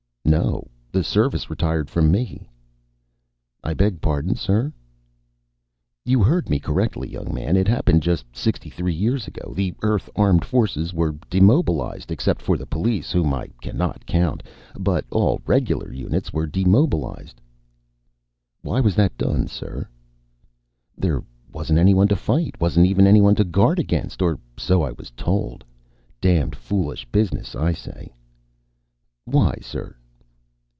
"No, the service retired from me." "I beg pardon, sir?" "You heard me correctly, young man. It happened just sixty three years ago. The Earth Armed Forces were demobilized, except for the police whom I cannot count. But all regular units were demobilized." "Why was that done, sir?" "There wasn't anyone to fight. Wasn't even anyone to guard against, or so I was told. Damned foolish business, I say." "Why, sir?"